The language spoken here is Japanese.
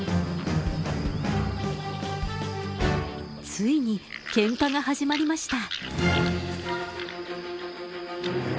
ついにけんかが始まりました。